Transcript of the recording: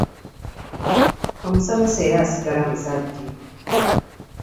Omusomesa era asigala muzadde.